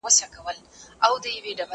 زه کتابونه نه وړم.